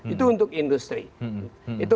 itu untuk industri itu